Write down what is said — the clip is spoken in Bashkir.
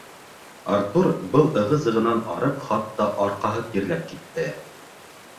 Артур был ығы-зығынан арып, хатта арҡаһы тирләп китте.